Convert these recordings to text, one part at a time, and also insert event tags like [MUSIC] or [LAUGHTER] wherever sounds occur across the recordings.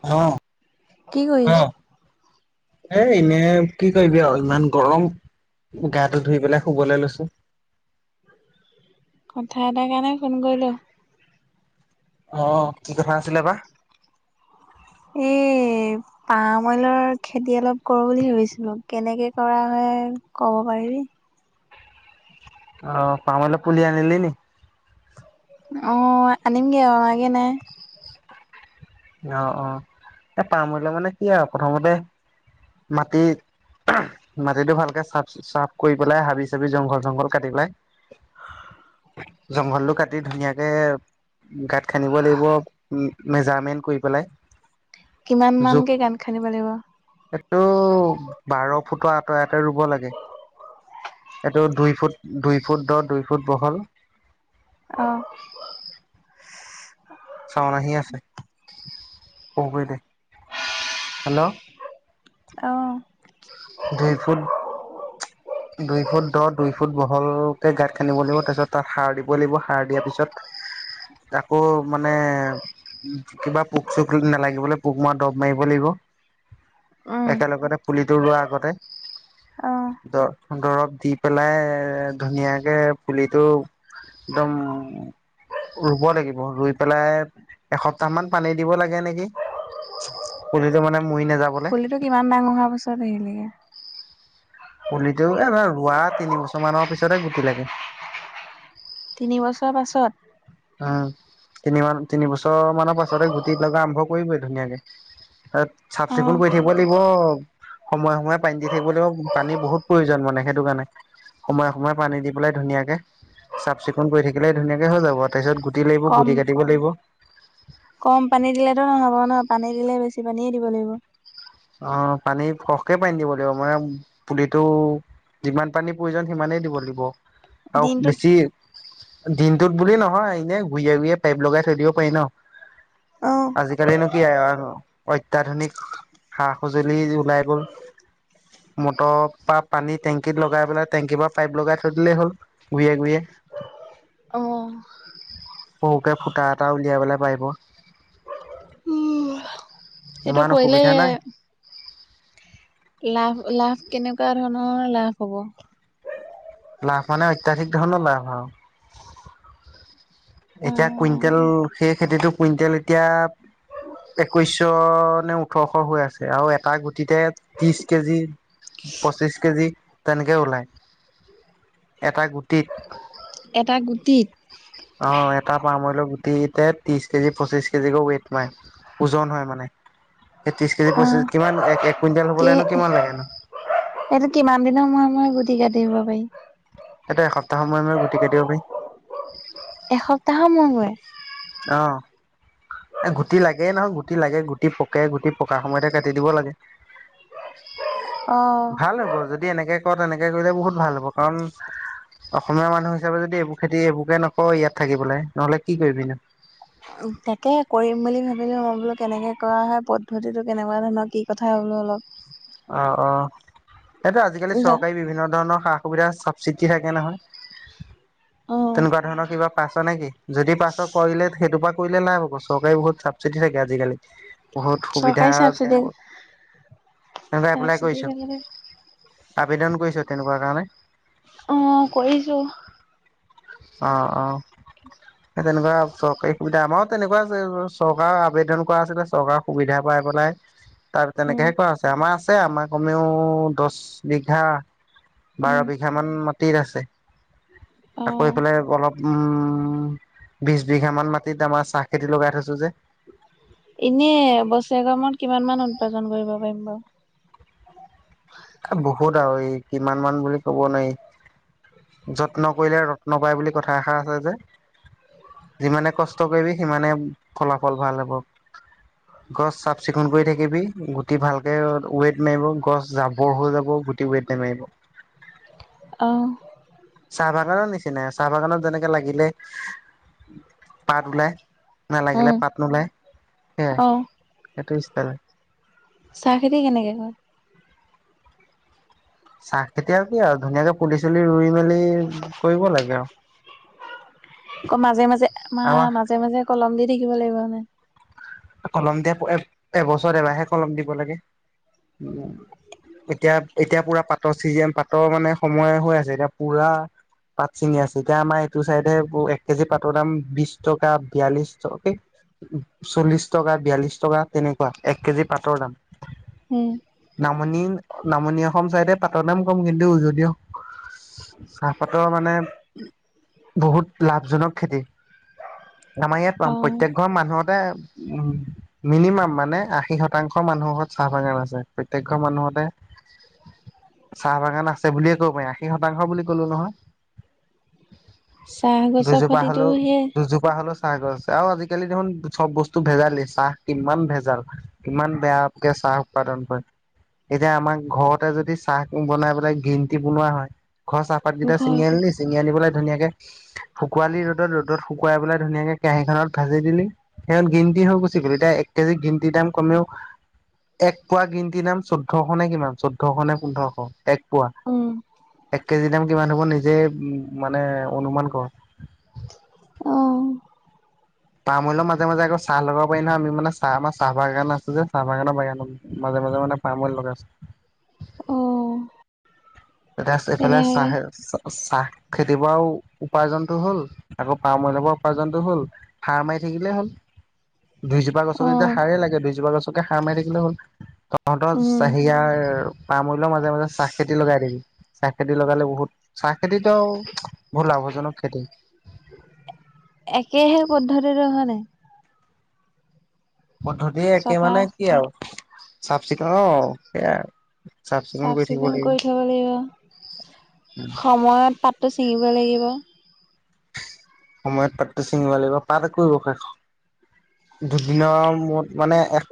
অ কি কৰিছ। এ এনেই কি কৰিবি আৰু ইমান গৰম গাটো ধুই পেলাই শুবলৈ লৈছো। কথা এটাৰ কাৰণে ফোন কৰিলোঁ। অ কি কথা আছিলে বা এই পাম অইলৰ খেতি অলপ কৰোঁ বুলি ভাবিছিলোঁ কেনেকে কৰা হয় ক'ব পাৰিবি। অ পাম অইলৰ পুলি আনিলি নি। অ আনিমগে অনাগে নাই। অ অ এ পাম অইলৰ মানে কি আৱ প্ৰথমতে মাটি মাটিটো ভালকে চাফ চাফ কৰি পেলাই হাবি চাবি জংঘল চংঘল কাটি পেলাই। জংঘলটো কাটি ধুনীয়াকে গাত খান্দিব লাগিব উম, মেজাৰমেণ্ট কৰি পেলাই। কিমান মান কে গাত খান্দিব লাগিব। তো বাৰ ফুটৰ আঁতই আঁতই ৰুব লাগে। এইটো দুই ফুট দুই ফুট দহ দুই ফুট বহল। অ চাওন আহি আছে সৰু কৰি দে, হেল্ল' অঁ দুই ফুট দুই ফুট দহ দুই ফুট বহলকে গাঁত খানিব লাগিব তাৰপিছত তাত সাৰ দিব লাগিব সাৰ দিয়াৰ পিছত তাকো মানে। কিবা পোক চোক নালাগিবলৈ পোক মৰা দৰব মাৰিব লাগিব। উম, একেলগতে পুলিটো ৰোৱাৰ আগতে অ', দৰ দৰৱ দি পেলাই ধুনীয়াকে পুলিটো একদম। ৰুব লাগিব ৰুই পেলাই এসপ্তাহ মান পানী দিব লাগে নেকি। পুলিটো মানে মৰি নাযাব। এইটো কিমান ডাঙৰ হোৱা পাছত আহিলেগে পুলিটো এ ৰোৱা তিনি বছৰ মানৰ পিছতে গুটি লাগে। তিনিবছৰ পাছত উম তিনি মা তিনিবছৰ মানৰ পাছতে গুটি লগা আৰম্ভ কৰিবই ধুনীয়াকে। চাফ চিকুণ অ', কৰি থাকিব লাগিব। সময়ে সময়ে পানী দি থাকিব লাগিব পানীৰ বহুত প্ৰয়োজন মানে সেইটো কাৰণে। সময়ে সময়ে পানী দি পেলাই ধুনীয়াকে চাফ চিকুণ কৰি থাকিলে ধুনীয়াকে হৈ যাব। তাৰপিছত গুটি লাগিব কম গুটি কাটিব লাগিব। কম পানী দিলেতো নহ'ব ন পানী দিলে বেছি পানীয়ে দিব লাগিব। অ পানী সৰহকে পানী দিব লাগিব মানে পুলিটো যিমান পানী প্ৰয়োজন সিমানেই দিব লাগিব আও দিনটোত বেছি দিনটোত বুলি নহয় ইনে ঘূঞে ঘূঞয়ে পাইপ লগাই থৈ দিব পাৰি ন। অ', আজিকালিনো কি [UNINTELLIGIBLE] অত্যাধুনিক সা সজুলি ওলাই গ'ল। মটৰ পা পানী টেংকিত লগাই পেলাই টেংকিৰ পৰা পাইপ লগাই থৈ দিলেই হ'ল। গোইয়ে গোইয়ে। অ অঁ। সওকে ফুটা এটা উলিয়াবলে পাৰিব। সেইটো ইমান কৰিলে অসুবিধা নাই লাভ লাভ কেনেকুৱা ধৰণৰ লাভ হ'ব? লাভ মানে অত্যাধিক ধৰণ লাভ আৱ। এতিয়া কুইণ্টেল অ' সেই খেতিতো কুইণ্টেল এতিয়া, একৈশ শ নে ওঠৰশ হৈ আছে আও এটা গুটিতে ত্ৰিশ কেজি, পঁচিশ কেজি তেনেকে ওলায় এটা গুটিত। এটা গুটিত? অ, এটা পাম অইল' গুটি তে ত্ৰিশ কেজি পঁচিশ কেজিকৈ ৱেইট মাই। ওজন হয় মানে। এ ত্ৰিশ কেজি পঁচিছ অ', কিমান এক এক কুইণ্টেল কি হবলৈনো কিমান লাগেনো এইটো কিমান দিনৰ মুৰে মুৰে গুটি কাটিব পাৰি? সেটো এসপ্তাহৰ মুৰে মুৰে গুটি কাটিব পাৰি। এসপ্তাহ মুৰে মুৰে? অ। এ গুটি লাগেই নহয় গুটি লাগে, গুটি পকে গুটি পকাৰ সময়তে কাটি দিব লাগে। অ'। ভাল হ'ব যদি এনেকে কৰ, তেনেকে কৰিলে বহুত ভাল হ'ব। কাৰণ অসমীয়া মানুহ হিচাপে যদি এইবোৰ খেতি এইবোৰকে নকৰ ইয়াত থাকি পেলাই, নহ'লে কি কৰিবিনো? তাকে কৰিম বুলি ভাবিলো। মই বোলো কেনেকে কৰা হয়, পদ্ধতিটো কেনেকুৱা ধৰণৰ কি কথা বোলো অলপ। অ' অ'। সেইটো আজিকালি জা চৰকাৰী বিভিন্ন ধৰণৰ সা সুবিধা চাবচিডি থাকে নহয়। অ', তেনেকুৱা ধৰণৰ কিবা পাইছ নে কি? যদি পাইছ কৰিলে সেইটোপা কৰিলে লাভ হ'ব চৰকাৰে বহুত চাবচিডি থাকে আজিকালি। বহুত সুবিধা চৰকাৰী [INAUDIBLE] তেনে এপ্লাই চাবচিডি কৰিছ? পালেতো আবেদন কৰিছ, তেনেকুৱা কাৰণে? অ, কৰিছো। অ, অ। [INAUDIBLE] সে তেনেকুৱা চৰকাৰী সুবিধা আমাৰো তেনেকুৱা যে চৰকাৰৰ আবেদন কৰা আছিলে, চৰকাৰৰ সুবিধা পাই পেলাই তাৰ উম, তেনেকেহে কৰা আছে। আমাৰ আছে আমাৰ কমেও দচ বিঘা উম। বাৰ বিঘা মান মাটিত আছে। আকৌ এই অ', ফালে অলপ উম বিছ বিঘা মান মাটিত আমাৰ চাহ খেতি লগাই থৈছো যে। ইনে, বছৰেক মুওত কিমান মান উৎপাদন কৰিব পাৰিম বাৰু? আ বহুত আৰু এই কিমান মান বুলি ক'ব নোৱাৰি। যত্ন কৰিলে ৰত্ন পায় বুলি কথা এষাৰ আছে যে। যিমানে কষ্ট কৰিবি সিমানে ফলাফল ভাল হ'ব। গছ চাফ চিকুণ কৰি থাকিবি, গুটি ভালকে ৱেট মাৰিব। গছ জা বৰ হৈ যাব গোটি ৱেট নামাৰিব। অঁ চাহ বাগানৰ নিচিনা, চাহ বাগানত যেনেকে লাগিলে পাত ওলাই নালাগিলে উম, পাত নোলায় সেয়াই, অ'। সেইটো ষ্টাইলত। চাহ খেতি কেনেকে কৰে? চাহ খেতি আৰু কি? ধুনীয়াকে পুলি চুলি ৰুই মেলি কৰিব লাগে আৰু অকৌ মাজে মাজে মা আমাৰ মাজে মাজে কলম দি থাকিব লাগিব মানে। কলম দিয়া এবছৰ এবাৰে কলম দিব লাগে। এতিয়া এতিয়া পুৰা পাতৰ চিজন পাতৰ মানে সময় হৈ আছে এতিয়া। পুৰা পাত চিঙি আছে এতিয়া আমাৰ এইটো চাইদে, এক কেজি পাতৰ দাম বিশ টকা বিয়াল্লিছ টকা কে চল্লিশ টকা বিয়াল্লিশ টকা তেনেকুৱা এক কেজি পাতৰ দাম। হুম নামনি নামনি অসম চাইদে পাটৰ দাম ক'ম কিন্তু। উজনি অস চাহপাতৰ মানে বহুত লাভজনক খেতি। আমাৰ ইয়াত অ' প্ৰত্যেক ঘৰ মানুহতে উম মিনিমাম মানে আশী শতাংশ মানুহ ঘৰত চাহ বাগান আছে। প্ৰত্যেক ঘৰ মানুহতে চাহ বাগান আছে বুলিয়ে কব পাৰি, আশী শতাংশ বুলি কলো নহয়। চাহ গছৰ দুজোপা খতিটো হ'লেও সেই দুজোপা হ'লেও চাহ গছ আছ, আৰু আজিকালি দেখোন চব বস্তু টো ভেজালেই, চাহ কিমান ভেজাল, কিমান বেয়কে চাহ উৎপাদন হয়। এতিয়া আমাক ঘৰতে যদি চাহ বনাই পেলাই গ্ৰীণ টি বনোৱা হয়, ঘৰ চাহপাতকেইটা ঘৰ ছিঙি আনিলছে চিঙি আনি পেলাই ধুনীয়াকে শুকুৱোৱালি ৰ'দত, ৰ'দত শুকুৱাই পেলাই ধুনীয়াকে কেৰাহীখননত ভাজি দিলি সিহ গ্ৰীণ ট হৈ গুছি গ'ল, এতিয়া এক কেজি গ্ৰীণটিৰ দাম কমেও এক পোৱা গ্ৰীণ টিৰ নাম চৈধ্যশ নে কিমান, চৈধ্যশ নে পোন্ধৰশ। এক পোৱা উম। এক কেজি দাম কিমান হ'ব নিজেই মানে অনুমান কৰ। অ' তামুলৰ মাজে মাজে আকৌ চাহ লগাব পাৰি নহয় আমিান চ আম চাহ বাগান আছে যে চাহ বাগানৰ বাগানত মাজে মাজে মানে তামুল লগাই আছে। অ' এতিয়া এইফালে তেনেহ'লে চাহ চাহ খেতি পৰাও উপাৰ্জনতটো হ'ল আকৌ পাৰ মৰিন পৰাও উপাৰ্জনটো হল। ফা মাৰি থাকিলে হ'ল। দুইজোপা গছত যেতিয়া অ' সাৰাৰেই লাগে দুইজোপা গছকে সাৰ মাৰি থাকিলে হ'ল। তহঁতৰ উম। চ হেয়াৰ পাৰ মূল্যৰ মাজে মাজে চাহ খেতি লগাই দিবি। চাহ খেতি লগালে বহুত চাহ খেতিতও বহুত লাভজনক খেতি। একেহে পদ্ধতিৰে হোৱা নাই। পদ্ধতি একে চফা মানে কি আৰু চাফ চিকুণ সেইাই আৰু। চাফ কৰি থাকিব চিকুণ লাগিব। কৰি থ'ব লাগিব সময়ত পাতটো ছিঙিব লাগিব। সময়ত পাতটো চিঙিব লাগিব, পাত এক কৰিব শেষ দুদিনৰ মূৰত মানে এক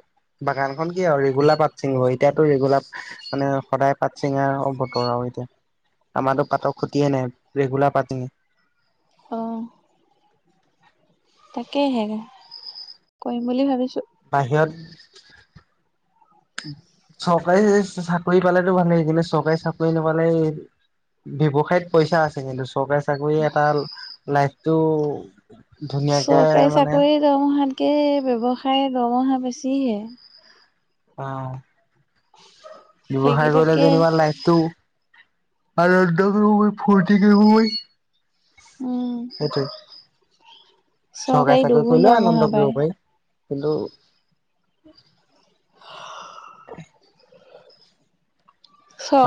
বাগান খখন কি আৰু ৰিগুলা পাট সিং এতিয়াতো ৰিগুলাত মানে সদায় পাট চিঙা অ বতৰ আৰু এতিয়া। আমাৰো পাতৰ খটিয়ে নাই ৰেগুলাৰ পাতি। অঁ তাকে হে কৰিম বুলি ভাবিছো। বাহিৰত। চৰকাৰী চাকৰি পালো ভালেই কিন্তু চৰকাৰী চাকৰি নাপালে। ব্যৱসায়ত পইচা আছে কিন্তু চৰকাৰী চাকৰি এটা লাইফটো ধুনীয়াকে চৰকাৰী মানে চাকৰি দৰমহাতকে ব্যৱসায় দৰমহা বেছি হে। অ। [INAUDIBLE] ব্যৱসায় কৰিলে সেইকেইটাতকে যেনিবা লাইফটো আনন্দ কৰিব পাৰি, ফূৰ্তি কৰিব পাৰি। উম। সেইটোৱে চৰকাৰী চাকৰি দুগুণ কৰিলেও দৰমহা আনন্দ পায় কৰিব পাৰি। কিন্তু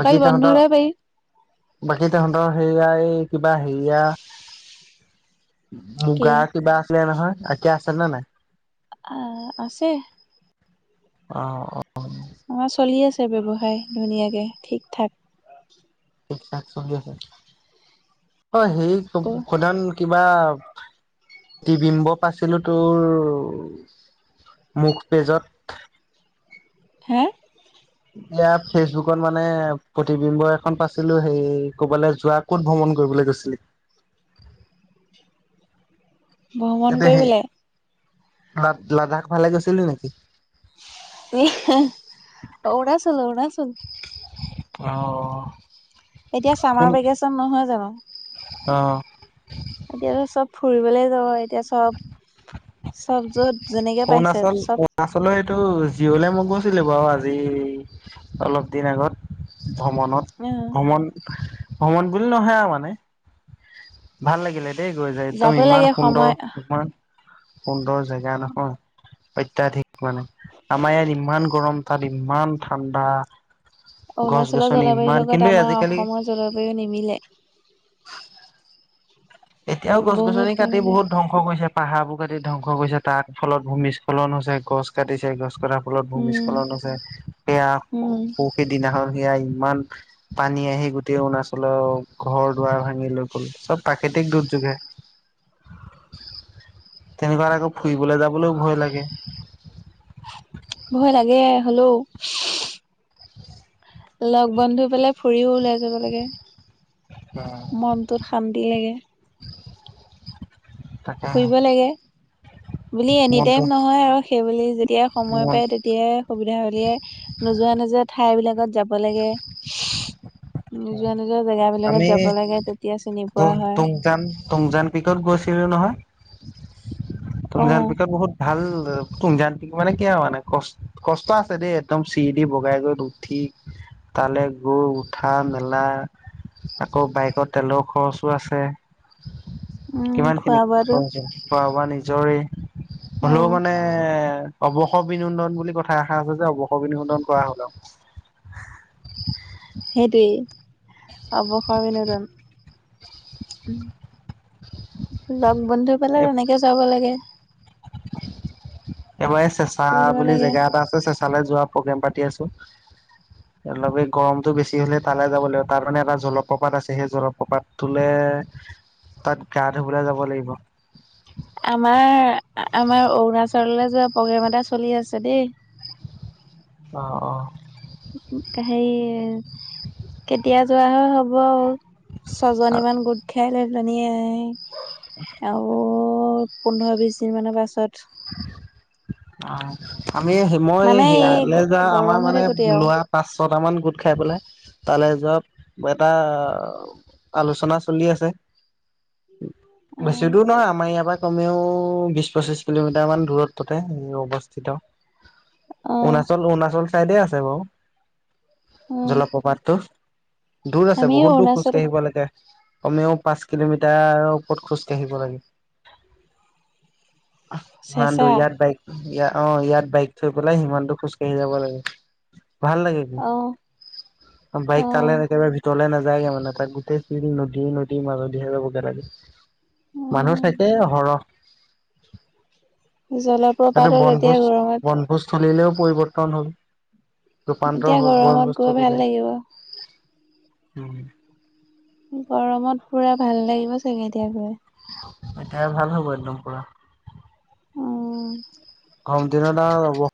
বাকী তহঁতৰ, বন্ধলৈ পাৰি বাকী তহঁতৰ সেয়া এই কিবা হেৰিয়া কি? মূ্গা কিবা আছিলে নহয় এতিয়া আছে নে নাই? আ আ, আছে। অ অ আমাৰ চলি আছে ব্যৱসায়, ধুনীয়াকে ঠিক থাক। ঠিক থাক চলি আছে, অ সেই চব প্ৰধান কিবা তিবিম্ব পাইছিলো তোৰ মোক পেজত হে? এয়া ফেচবুকত মানে প্ৰতিবিম্ব এখন পাইছিলো সেই ক'বালৈ যোৱা ক'ত ভ্ৰমণ কৰিবলৈ গৈছিলি? ভ্ৰমণ ইয়াতে সেই কৰিবলে লা লাডাখফালে গৈছিলি নেকি? ই হিহ, অৰুণাচল - অৰুণাচল। অহ। এতিয়া চামাৰ ভেকেচন নহয় জানো? অ। এতিয়াতো চব ফুৰিবলে যাব এতিয়া চব। চব য'ত যেনেকে পাইছে চব আচলতে এইটো জিৰলে মোক গৈছিলো বাৰু আজি অলপ দিন আগত ভ্ৰমণত। [UNINTELLIGIBLE] ভ্ৰমণ, ভ্ৰমণ বুলি নহয় আৰু মানে ভাল লাগিলে। দেই গৈ যায়। একদম যাবই লাগে ইমান সময় সুন্দৰ তোমাৰ সুন্দৰ জেগা নহয়। অত্যাধিক মানে আমাৰ ইয়াত ইমান গৰম তাত ইমান ঠাণ্ডা। গছ-গছনি ইমান কিন্তু এ আজিকালি জলাবই নিমিলে। এতিয়াও বহুত গছ-গছনি কাটি নিমিলে বহুত ধং স কৰিছে, পাহাৰবোৰ কাটি ধ্বংস কৰিছে তাৰ ফলত ভূমিস্খলন হৈছে, গছ কাটিছে, গছ কটা ফলত উম ভূমিস্খলন হৈছে। সেয়া উম পৰহি দিনাখন, সেয়া ইমান পানী আহি গোটেই অৰুণাচলৰ ঘৰ-দুৱাৰ ভাঙি লৈ গ'ল। চব পাক কৃতিক দুৰ্যোগে। তেনেকুৱাত আকৌ ফুৰিবলৈ যাবলৈও ভয় লাগে। ভয় লাগে হ'লও। লগ-বন্ধুবিলাক ফুৰিব ওলাই যাব লাগে, মনটোত শান্তি লাগে। তাকেহে ফুৰিব লাগে বুলি এনি মনটো টাইম নহয় আৰু সেইবুলি যেতিয়া সময় মন পায় তে তিয়াই সুবিধা হ'লে নোযোৱা - নোযোৱা ঠাইবিলাকত যাব লাগে। [INAUDIBLE] নোযোৱা নোযোৱা জেগাবিলাকত আমি যাব লাগে তেতিয়া চিনি পোৱা হয়। জাং টুমজাং পিকত গৈছিলোঁ নহয় অ টুমজাং পিকত বহুত ভাল টুমজাং পিক মানে কি আৰু মানে, কষ্ট কষ্ট আছে দেই একদম চিৰি দি বগাই গৈ উঠি তালে গৈ উঠা উঠা মেলা আকৌ বাইকত তেলৰ খৰচো আছে। উম কিমান খিনি খোৱা বোৱাটো প্ৰয়োজন খোৱা বোৱা নিজৰেই অ হ'লেও মানে অৱসৰ অভিনন্দন বুলি কথা এষাৰ আছে যে অৱসৰ অভিনন্দন কৰা হ'ল আৰু। সেইটোৱেই অৱসৰ অভিনন্দন উম। লগ-বন্ধু পালে তেনেকে যাব লাগে। এবাৰ এই চেঁচা ফুৰিব বুলি লাগে জেগা এটা আছে চেঁ- তালে যোৱা প্ৰগ্ৰেম পাতি আছো লগে গৰমটো বেছি হ'লে তালে যাব লাগিব তাত মানে এটা জলপ্ৰপাত আছে সেই জলপ্ৰপাতটোলে তাত গা ধুবলে যাব লাগিব। আমাৰ আ আমাৰ অৰুণাচললৈ যোৱা প্ৰগ্ৰেম এটা চলি আছে দেই। অ অ হেৰি কেতিয়া যোৱা হয় হ'ব ছজনীমান গোট খাই‌ লৈ পেনিয়েই [UNINTELLIGIBLE] আৰু পোন্ধৰ-বিছ দিনমানৰ পাছত অহ আমি সেই মই মানে এই সেয়ালে যোৱা গৰম আমাৰ হৈ মানে থাকোতে আৰু লোৱা পাঁচ-ছটামান গোট খাই পেলাই তালে যোৱা এটা আলোচনা চলি আছে। বেছি অ', দূৰ নহয় আমাৰ ইয়াৰ পৰা কমেও বিশ-পঁচিশ কিলোমিটাৰ মান দূৰত তে অৱস্থিত অ', অৰুণাচল অৰুণাচল চাইডে আছে বাৰু। অ', জলপ্ৰপাতটো দূৰ আছে আমি বহুত দূৰ খোজ অৰুণাচল কাঢ়িব লাগে। কমেও পাঁচ কিলোমিটাৰৰ ওপৰত খোজকাঢ়িব লাগে। অহ ইমান চেঁচা দূৰ ইয়াত বাইক ইয়া অ ইয়াত বাইক থৈ পেলাই সিমানতো খোজকাঢ়ি যাব লাগে ভাল লাগে। অ', উম বাইক তালে অ', একেবাৰে ভিতৰলে নাযায়গে মানে তাত গোটেই শিল, নদী নদী মাজদিহে যাবগে লাগে। মানুহ উম। চাইছে এ সৰহ। জলপ্ৰপাতৰ এতিয়া গৰমত চলিলেও পৰিৱৰ্তন হ'ল ৰূপান্তৰ এতিয়া হ'ল গৰমত বনভোজ গৈ ভাল স্তলিলে লাগিব। উম গৰমত পুৰা ভাল লাগিব চাগে এতিয়া গৈ এতিয়াহে ভাল হ'ব একদম পুৰা উম গৰম দিনত আও যাব